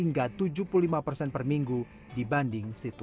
tergolong kesempatan cinta dengan karya